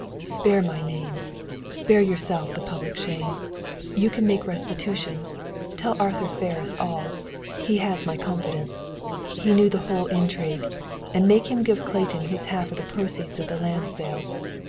"Spare my name. Spare yourself the public shame. You can make restitution. Tell Arthur Ferris all. He has my confidence. He knew the whole intrigue. And make him give Clayton his half of the proceeds of the land sale.